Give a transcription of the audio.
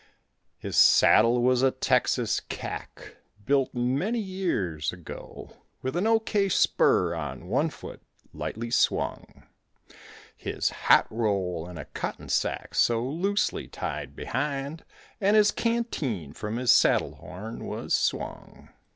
His saddle was a Texas "kak," built many years ago, With an O.K. spur on one foot lightly swung; His "hot roll" in a cotton sack so loosely tied behind, And his canteen from his saddle horn was swung.